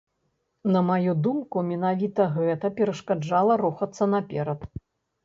На маю думку, менавіта гэта перашкаджала рухацца наперад.